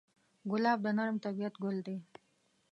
ګلاب د نرم طبعیت ګل دی.